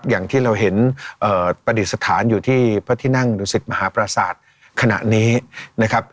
อย่างที่เราเห็นประดิษฐานอยู่ที่พระที่นั่งดุสิตมหาปราศาสตร์ขณะนี้นะครับ